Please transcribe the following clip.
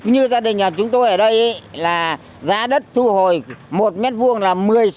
như gia đình nhà chúng tôi ở đây là giá đất thu hồi một m hai là một mươi sáu